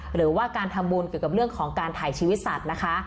หรือว่าการทำบุญเกี่ยวกับเรื่องของการถ่ายชีวิตสัตว์นะคะ